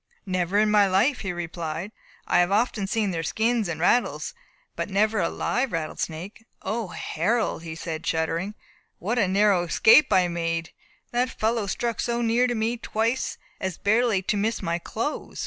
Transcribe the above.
"Never in my life," he replied. "I have often seen their skins and rattles, but never a live rattle snake. O, Harold," he said, shuddering, "what a narrow escape I have made. That fellow struck so near me twice, as barely to miss my clothes."